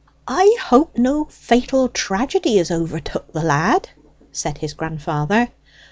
"I hope no fatal tragedy has overtook the lad!" said his grandfather.